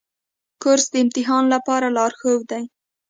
کورس د امتحان لپاره لارښود دی.